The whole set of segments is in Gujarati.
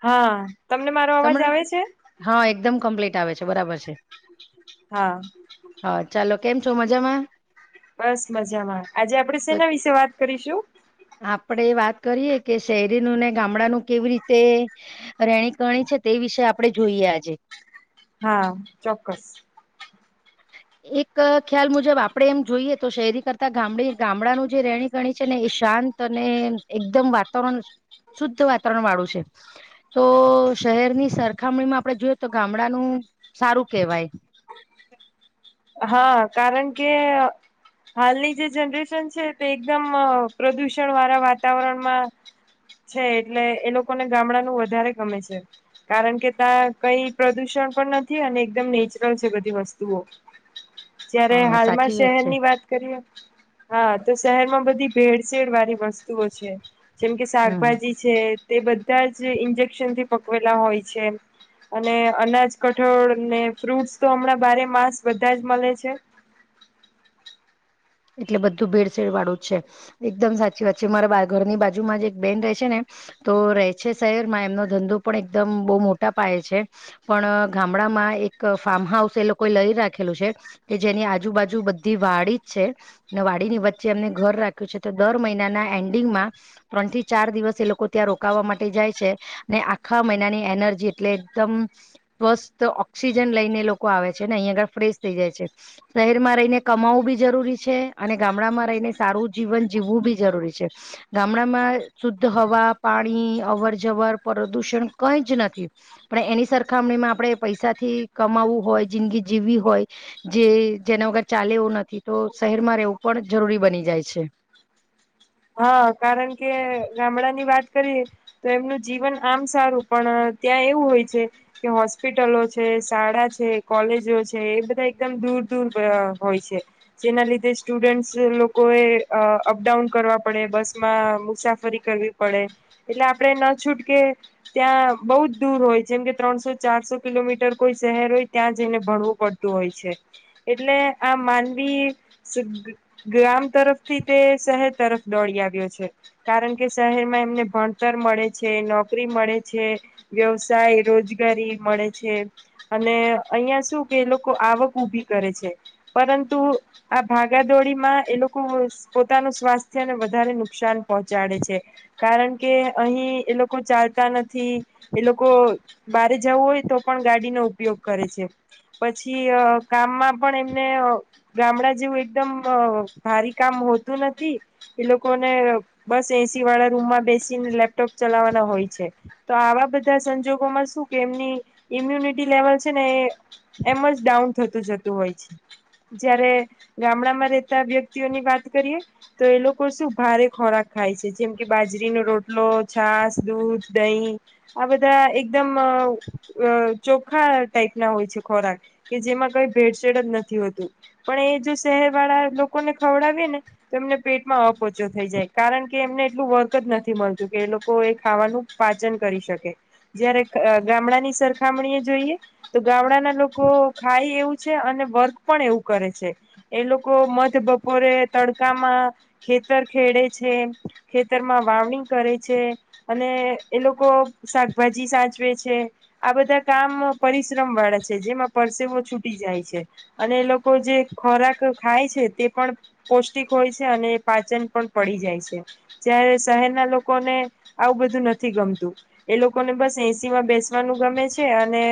હા તમને મારો સમ અવાજ આવે છે હા એકદમ કમ્પ્લીટ આવે છે બરાબર છે હા હા ચાલો કેમ છો મજામાં બસ મજામાં આજે આપડે તો સેના વિશે વાત કરીશું? આપણે વાત કરીએ કે શહેરીનું ને ગામડાનું કેવી રીતે રેહણી કેહણી છે તે વિશે આપડે જોઈએ આજે હા ચોક્કસ એક ખ્યાલ મુજબ આપણે એમ જોઈએ તો શહેરી કરતા ગામ ગામડાનું જે રહેણી કેહણી છે ને એ શાંત અને એકદમ વાતાવરણ શુદ્ધ વાતાવરણ વાળું છે તો શહેરની સરખામણીમાં આપણે જોઈએ તો ગામડાનું સારું કહેવાય હા કારણ કે હાલની જે જનરેશન છે તે એકદમ પ્રદુષણ વાળા વાતાવરણમાં છે એટલે એ લોકોને ગામડાનું વધારે ગમે છે કારણ કે ત્યાં કઈ પ્રદુષણ પણ નથી અને એકદમ નેચરલ છે બધી વસ્તુઓ જય્યારે હ હાલમાં સાચી શહેર છે ની વાત કરીએ હા તો શહેર માં બધી ભેળસેળ વાળી વસ્તુઓ છે. જેમ કે હમ શાકભાજી છે તે બધા જ ઇન્જેક્શનથી પકવેલા હોય છે અને અનાજ કઠોળ ને ફ્રૂટસ તો હમણાં બારે માસ બધા જ મલે છે. એટલે બધું ભેડસેડ વાળું જ છે. એકદમ સાચી વાત છે મારા બા ઘરની બાજુમાં જે એક બેન રહે છે ને તો રહે છે શહેર માં એમનો ધંધો પણ એકદમ બહુ મોટા પાયે છે પણ ગામડામાં એક ફાર્મ હાઉસ એ લોકોએ લઈ રાખેલું છે કે જેની આજુબાજુ બધી વાળી છે ને વાડીની વચ્ચે એમને ઘર રાખ્યું છે તો દર મહિનાના એન્ડિંગમાં ત્રણ થી ચાર દિવસ એ લોકો ત્યાં રોકવા માટે જાય છે ને આખા મહિનાની એનર્જી એટલે એકદમ સ્વસ્થ ઓક્સિજન લઈને લોકો આવે છે ને અહીં આગળ ફ્રેશ થઈ જાય છે. શહેરમાં રહીને કમાવું બી જરૂરી છે અને ગામડામાં રહીને સારું જીવન જીવવું બી જરૂરી છે. ગામડામાં શુદ્ધ હવા પાણી અવર જવર પ્રદુષણ કઈ જ નથી પણ એની સરખામણીમાં આપણે પૈસાથી કમાવવું હોય જિંદગી જીવવી હોય જે જેને વગર ચાલે એવું નથી તો શહેરમાં રહેવું પણ જરૂરી બની જાય છે. હા, કારણ કે ગામડા ની વાત કરીએ તો એમનું જીવન આમ સારું પણ ત્યાં એવું હોય છે કે હોસ્પિટલો છે, શાળા છે, કોલેજો છે એ બધા એકદમ દૂર દૂર હોય છે જેના લીધે સ્ટુડન્ટસ લોકો એ અહ અપડાઉન કરવા પડે બસમાં મુસાફરી કરવી પડે એટલે આપણે ન છૂટકે ત્યાં બહુ જ દૂર હોય જેમ કે ત્રણસો ચારસો કિલોમીટર કોઈ શહેર હોય ત્યાં જઈને ભણવું પડતું હોય છે. એટલે આ માનવી ગ્રામ તરફથી તે શહેર તરફથી દોડી આવ્યો છે કારણ કે શહેરમાં એમને ભણતર મળે છે નોકરી મળે છે વ્યવસાય રોજગારી મળે છે અને અહીંયા શું કે એ લોકો આવક ઉભી કરે છે. પરંતુ આ ભાગાદોડીમાં એ લોકો પોતાનું સ્વાસ્થ સે ને વધારે નુકસાન પહોંચાડે છે. કારણ કે અહી એ લોકો ચાલતા નથી એ લોકો બારે જવું હોય તો પણ ગાડીનો ઉપયોગ કરે છે. પછી અહ કામમાં પણ એમને ગામડા જેવું એકદમ અહ ભારી કામ હોતું નથી એ લોકોને બસ એસી વાળા રૂમમાં બેસીને લેપટોપ ચલાવવાના હોય છે. તો આવા બધા સંજોગોમાં શું કે એમની ઇમ્યુનિટી લેવલ છે ને એ એમ જ ડાઉન થતું જતું હોય છે. જયારે ગામડામાં રહેતા વ્યક્તિઓની વાત કરીએ તો એ લોકો શું ભારે ખોરાક ખાય છે જેમ કે બાજરીનો રોટલો છાસ દૂધ દહીં આ બધા એકદમ ચોખા ટાઈપ ના હોય છે ખોરાક કે જેમાં કઈ ભેળસેળ જ નથી હોતું પણ એ જો શહેર વાળા લોકોને ખવડાવી ને તો એમને પેટમાં અપોચો થઈ જાય. કારણ કે એમને એટલું વર્ક જ નથી મળતું કે એ લોકો એ ખાવાનું પાચન કરી શકે. જયારે અહ ગામડાની સરખામણીએ જોઈએ તો ગામડાના લોકો ખાય એવું છે અને વર્ક પણ એવું કરે છે એ લોકો મધ બપોરે તડકામાં ખેતર ખેડે છે, ખેતરમાં વાવણી કરે છે અને એ લોકો શાકભાજી સાચવે છે આ બધા કામ પરિશ્રમ વાળા છે, જેમાં પરસેવો છૂટી જાય છે. અને એ લોકો જે ખોરાક ખાય છે તે પણ પૌષ્ટિક હોય છે અને પાચન પન પડી જાય છે. જ્યારે શહેરના લોકોને આવું બધું નથી ગમતું એ લોકોને બસ એસી માં બેસવાનું ગમે છે અને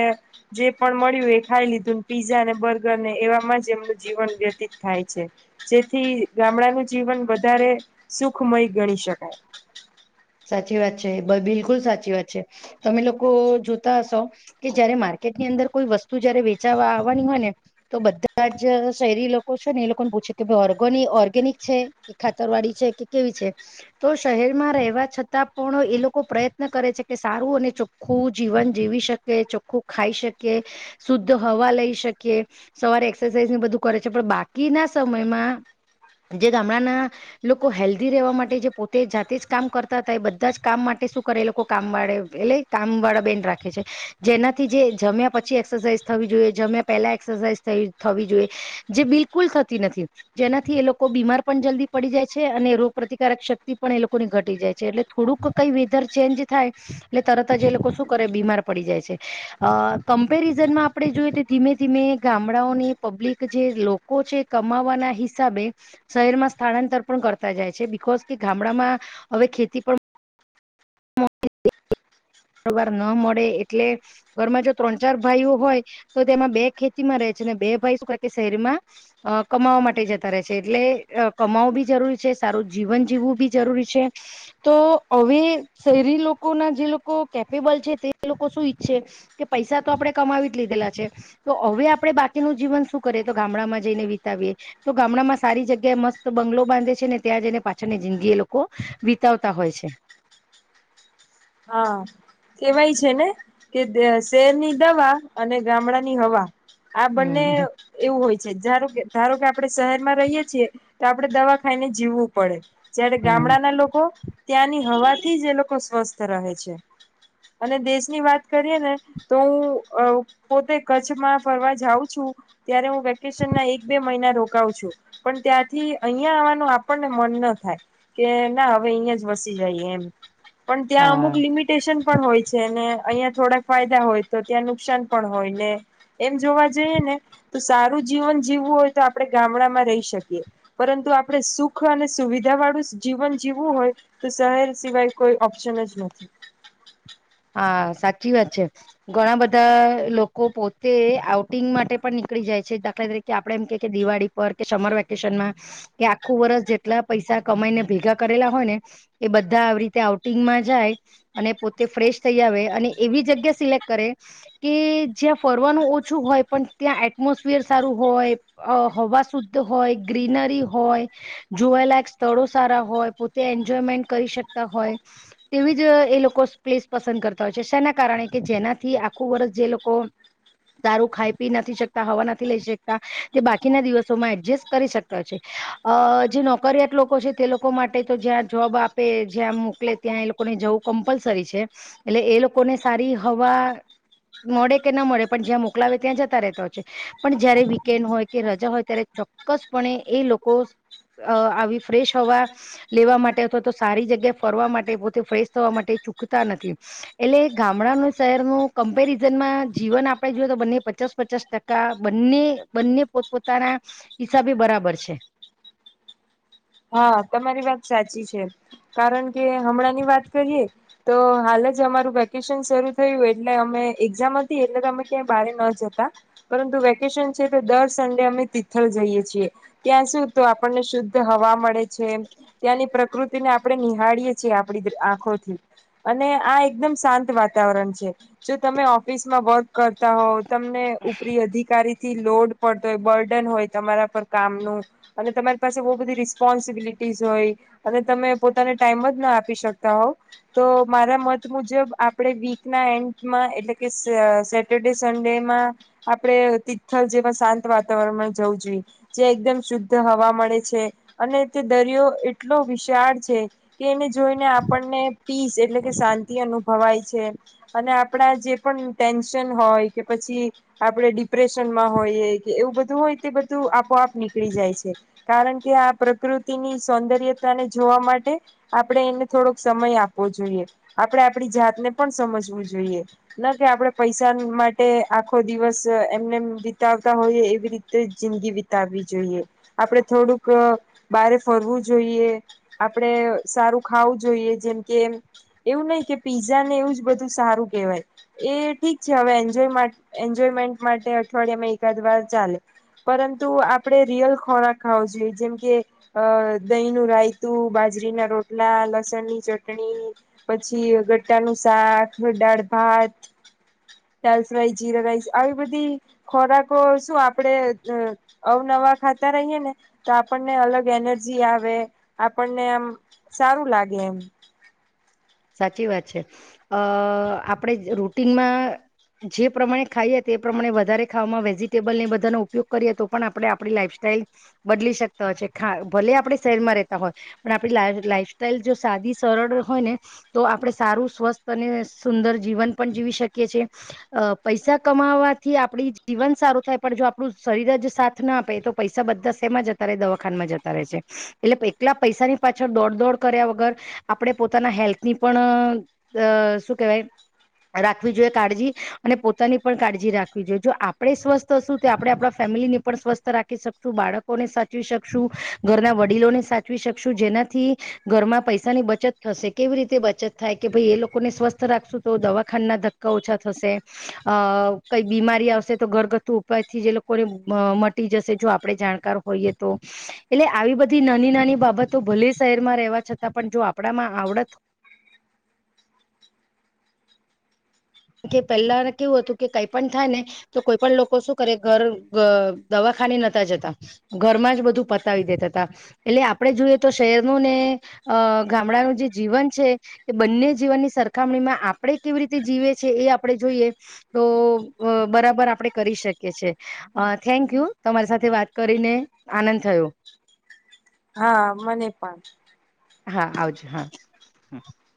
જે પણ મળ્યું એ ખાઈ લીધુંને પીઝા ને બર્ગર ને એવામાં જ એમનું જીવન વ્યતીત થાય છે. જેથી ગામડાનું જીવન વધારે સુ ખમય ગણી શકાય. સાચી વાત છે બ બિલકુલ સાચી વાત છે. તમે લોકો જોતા હશો કે જયારે માર્કેટની અંદર કોઈ વસ્તુ જયારે વેચાવા આવવાની હોય ને તો બધા જ શહેરી લોકો છે ને એ લોકોને પૂછે કે ઓર્ગ ઓર્ગેનિક છે કે ખાતરવાડી છે કે કેવી છે તો શહેરમાં રહેવા છતાં પણ એ લોકો પ્રયત્ન કરે છે કે સારું અને ચોખ્ખું જીવન જીવી શકે, ચોખ્ખું ખાઈ શકે, શુદ્ધ હવા લઈ શકીએ, સવારે એક્સરસાઇઝ બધું કરે છે પણ બાકીના સમયમાં જે ગામડાના લોકો હેલ્ધી રહેવા મા પોતે જાતે જ કામ કરતા હતા એ બધા જ કામ માટે શું કરે એ લોકો કામ વાળે એટલે કામ વાળા બેન રાખે છે. જેનાથી જે જમ્યા પછી એક્સરસાઇઝ થવી જોઈએ, જમ્યા પહેલા એક્સરસાઇઝ થ થવી જોઈએ જે બિલકુલ થતી નથી. જેનાથી એ લોકો બીમાર પણ જલ્દી પડી જાય છે અને રોગ પ્રતિ કારક શક્તિ પણ એ લોકોની ઘટી જાય છે. એટલે થોડુંક કઈ વેધર ચેન્જ થાય એટલે તરત જ એ લોકો શું કરે બીમાર પડી જાય છે. અ કમ્પેરિઝનમાં આપણે જોઈએ તો ધીમે ધીમે ગામડાઓને પબ્લિક જે લોકો છે કમાવવાના હિસાબે શહેરમાં સ્થાળાંતર પણ કરતા જાય છે કોસ કે ગામડામાં હવે ખેતી પણ [inaudible] વાર ન મળે એટલે ઘરમાં જો ત્રણ ચાર ભાઈઓ હોય તો તેમાં બે ખેતીમાં રહે છે બે ભાઈ કે શહેરમાં અ કમાવા માટે જતા રહે છે. એટલે કમાવવું બી જરૂરી છે, સારું જીવન જીવવું બી જરૂરી છે. તો હવે શહેરી લોકોના જે લોકો કેપેબલ છે તે લોકો શું ઈચ્છે કે પૈસા તો આપણે કમાવી જ લીધેલા છે. તો હવે આપણે બાકીનું જીવન શું કરીએ તો ગામડામાં જઈને વિતાવીએ. તો ગામડામાં સારી જગ્યાએ મસ્ત બંગલો બાંધે છે ને ત્યાં જઈને પાછળની જિંદગી એ લોકો વિતાવતા હોય છે. હા કેવાય છે ને કે શહેરની દવા અને ગામડા ની હવા. આ બંને હમ એવું હોય છે. જારું કે ધારો કે આપડણે શહેર માં રહીય છીએ તો આપડણે દવા ખાઈને જીવવું પડે. જય્યારે હમ ગામડાના લોકો ત્યાંની હવાથી જ લોકો સ્વસ્થ રહે છે અને દેશની વાત કરીએ ને તો હું અ પોતે કચ્છમાં ફરવા જાઉં છું ત્યારે હું વેકેશન ના એક બે મહિના રોકાવું છું. પણ ત્યાંથી અહિયાંયા આવવાનું આપણને મન ન થાય કે ના હવે અહીં જ વસી જઈએ એમ. ત્યાં હા અમુક લિમિટેશન પણ હોય છે ને અહીંયા થોડા ફાયદા હોય તો ત્યાં નુકસાન પણ હોય ને એમ જોવા જઈએ ને તો સારું જીવન જીવવું હોય તો આપણે ગામડામાં રહી શકીએ. પરંતુ આપણે સુખ અને સુવિધા વાળું જીવન જીવવું હોય તો શહેર સિવાય કોઈ ઓ પ્શન જ નથી. હા સાચી વાત છે. ઘણા બધા લોકો પોતે આઉટિંગ માટે પણ નીકળી જાય છે. દાખલા તરીકે આપણે એમ કે કે દિવાળી પર કે સમર વેકેશનમાં કે આખું વર્ષ જેટલા પૈસા કમાઈને ભેગા કરેલા હોય ને એ બધા આવી રીતે આઉટિંગમાં જાય અને પોતે ફ્રેશ થઇ આવે અને એવી જગ્યા સિલેક્ટ કરે કે જ્યાં ફરવાનું ઓછું હોય પણ ત્યાં એટમોસફિયર સારું હોય, અ હવા શુદ્ધ હોય, ગ્રીનરી હોય, જોવાલાયક સ્થળો સારા હોય, પોતે એન્જોયમેન્ટ કરી શકતા હોય તેવી જ એ લોકો પ્લેસ પસંદ કરતા હોય છે શના કારણે કે જેનાથી આખું વર્ષ જે લોકો તારું ખાઈ પી નથી શકતા હવા નથી લઈ શકતા તે બાકીના દિવસોમાં એડજસ્ટ કરી શકતા હોય છે. અ જે નોકરિયાત લોકો છે તે લોકો માટે તો જ્યાં જોબ આપે જ્યાં મોકલે ત્યાં એ લોકોને જવું કમ્પલસરી છે. એટલે એ લોકોને સારી હવા મળે કે ન મળે પણ જ્યાં મોકલાવે ત્યાં જતા રહેતા હોય છે. પણ જયારે વીકેન્ડ હોય કે રજા હોય ત્યારે ચોક્કસપ એ લોકો અ આવી ફ્રેશ હવા લેવા માટે અથવા તો સારી જગ્યા ફરવા માટે પોતે ફ્રેશ થવા માટે ચૂક તા નથી. એટલે ગામડાનું શહેરનું કમ્પેરિઝનમાં જીવન આપણે જોએ તો બંને પચાસ પચાસ ટકા બંને બંને પોતપોતાના હિસાબે બરાબર છે. હા તમારી વાત સાચી છે. કારણ કે હમણાં ની વાત કરીએ તો હાલ જ અમારું વેકેશન શરૂ થયું એટલે અમે એક્ઝામ હતી એટલે અમે ક્યાંય બારે ન જતા પરંતુ વેકેશન છે તો દર સડે અમે તિથલ જઈએ છીએ. ત્યાં સુું તો આપણને શુદ્ધ હવા મળે છે. ત્યાંની પ્રકૃત તેને આપણે નિહાળીયએ છીએ આપ આંખોથી અને આ એકદમ શાંત વાતાવરણ છે. જો તમે ઓફિસમાં વર્ક કરતા હોવ તમને ઉપરી અધિકારી થી લોડ પડતો હોય, બર્ડન હોય તમારા પર કામ નું અને તમારી પાસે બહું બધી રીસ સ્પોન્સિબિલિટીસ હોય, અને તમે પોતાને ટાઈમ જ ના આપી શકતા હોવ, તો મારા મત મુજબ આપણે વીકના એન્ડમાં એટલે કે સહ સેટરડે સન્ડેમાં આપણે તિથલ જેવા શાંત વાતાવરણમાં જવું જોઈએ. જે એકદમ શુદ્ધ હવા મળે છે અને તે દરિયો એટલો વિશાળ છે કે એને જોઈને આપણને પીસ એટલે કે શાંતિ અનુભવાય છે, અને આપણા જે પણ ટેન્શન હોય કે પછી આપણે ડિપ્રેશનમાં હોઈએ, કે એવું બધું હોય તે બધું આપોઆપ નીકળી જાય છે. કારણ કે આ પ્રકૃતિની સૌંદર્યતાને જોવા માટે આપણે એને થોડોક સમય આપવો જોઈએ. આપણે આપણી જાતને પણ સમજવું જોઈએ, ના કે આપણે પૈસા માટે આખો દિવસ એમનેમ વિતાવતા હોઈએ એવી રીતે જિંદગી વિતાવવી જોઈએ. આપણે થોડુંક અહ બારે ફરવું જોઈએ, આપડે સારું ખાવું જોઈએ, જેમકે એવું નહીં કે પીઝાને એવું જ બધું સારું કહેવાય, એ ઠીક છે હવે એન્જોય માટ એન્જોયમેન્ટ માટે અઠવાડિયામાં એકાદ વાર ચાલે, પરંતુ આપણે રિયલ ખોરાક ખાવો જોઈએ જેમકે અહ દહીંનું રાયતું, બાજરીના રોટલા, લસણની ચટણી, પછી ગટ્ટાનું શાક, દાળ ભાત, દાલ ફ્રાય, જીરા રાઈસ આવી બધી ખોરાકો શું આપડે અહ અવનવા ખાતા રહીએ ને તો આપણને અલગ એનર્જી આવે, આપણને આમ સારું લાગે એમ. સાચી વાત છે. અહ આપણે જ રૂટિનમાં જે પ્રમાણે ખાઈએ તે પ્રમાણે વધારે ખાવામાં વેજીિટેબલને એ બધાનો ઉપયોગ કરીએ તો પણ આપણે આપણી લાઈઇફસ્ટાઈલ બદલી શકતા હોય છે. ખા ભલે આપણે શહેરમાં રહેતા હોય, પણ આપણી લાઈ લાઈફસ્ટાઈલ જો સાદી સરળ હોય ને તો આપણે સારું સ્વસ્થ અને સુંદર જીવન પણ જીવી શકીએ છીએ. અહ પૈસા કમાવાથી આપડી જીવન સારું થાય પણ જો આપણું શરીર જ સાથ ના આપે તો પૈસા બધા શેમાં જતા રહે દવાખામાં જતા રહે છે, એટલે એકલા પૈસાની પાછળ દોડ-દોડ કર્યા વગર આપણે પોતાના હેલ્થ ની પણ અહ અહ શું કહેવાય રાખવી જોઈએ કાળજી, અને પોતાની પણ કાળજી રાખવી જોઈએ. જો આપણે સ્વસ્થ હશું તો આપણે આપણા ફેમિલીને પણ સ્વસ્થ રાખી શકશું, બાળકોને સાચવી શકશું, ઘરના વડીલોને સાચવી શકશું, જેનાથી ઘરમાં પૈસાની બચત થશે. કેવી રીતે બચત થાય કે ભઈ એ લોકોને સ્વસ્થ રાખશું તો દવાખાનાના ધક્કા ઓછા થશે, અહ કંઈ બીમારી આવશે તો ઘરગથ્થુ ઉપાયથી જે લોકોને મ મટી જશે જો આપણે જાણકાર હોઈએ તો, એટલે આવી બધી નાની-નાની બાબતો ભલે શહેરમાં રહેવા છતાં પણ જો આપણામાં આવડત કે પહેલાને કેવું હતું કે કાઈ પણ થાય ને તો કોઈ પણ લોકો શું કરે ઘર અહ દવાખાને નતા જતાઘરમાં જ બધું પતાવી દેતા તા, એટલે આપણે જોઈએ તો શહેરનું ને અહ ગામડાનું જે જીવન છે એ બંને જીવનની સરખામણીમાં આપણે કેવી રીતે જીવે એ આપણે જોઈએ તો બરાબર આપણે કરી શકીએ છ છે થેન્ક યુ તમારી સાથે વાત કરીને આનંદ થયો. હા મને પણ. હા આવજો હા હ